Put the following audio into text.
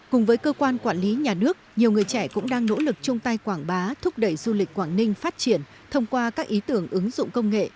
cùng với cơ quan quản lý nhà nước nhiều người trẻ cũng đang nỗ lực chung tay quảng bá thúc đẩy du lịch quảng ninh phát triển thông qua các ý tưởng ứng dụng công nghệ